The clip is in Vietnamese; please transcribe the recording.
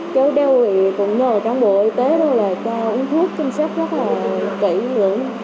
cháu đeo ủy cũng nhờ cán bộ y tế đâu là cho uống thuốc chăm sóc rất là kỹ lưỡng